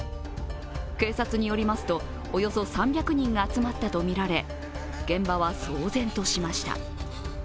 警察によりますとおよそ３００人が集まったとみられ現場は騒然としました。